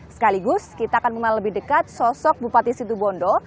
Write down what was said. sekaligus kita akan mengenal lebih dekat sosok bupati situ bondo